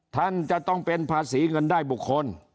ท่านจะต้องเป็นภาษีเงินได้บุคคล